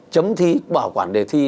chấm thi bảo quản đề thi